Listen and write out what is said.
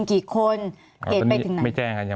มีความรู้สึกว่ามีความรู้สึกว่า